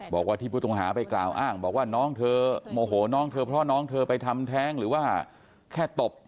บอกว่าที่ผู้ต้องหาไปกล่าวอ้างบอกว่าน้องเธอโมโหน้องเธอเพราะน้องเธอไปทำแท้งหรือว่าแค่ตบ